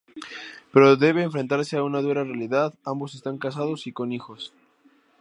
Pero debe enfrentarse a una dura realidad: ambos están casados y con hijos.